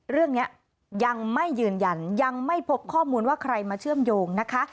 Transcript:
เรื่องนี้ยังไม่ยืนยันยังไม่พบข้อมูลว่าใครมาเชื่อมโยงนะคะ